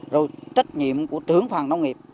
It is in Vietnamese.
rồi trách nhiệm của trưởng phòng nông nghiệp